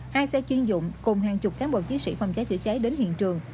hai xe chuyên dụng cùng hàng chục cán bộ chiến sĩ phòng cháy chữa cháy đến hiện trường